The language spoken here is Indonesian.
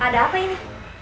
ada apa ini